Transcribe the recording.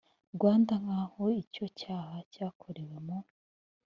rwanda nk aho icyo cyaha cyakorewe mu